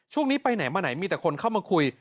ช่วงนี้ไปไหนมาไหนมีแต่คนเข้ามาคุย